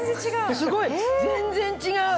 すごい全然違う！